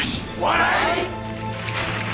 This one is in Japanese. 笑い。